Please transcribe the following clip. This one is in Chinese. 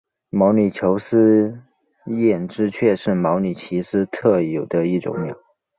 毛里求斯艳织雀是毛里求斯特有的一种鸟。